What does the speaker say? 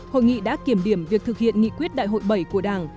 hội nghị đã kiểm điểm việc thực hiện nghị quyết đại hội bảy của đảng